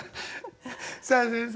さあ先生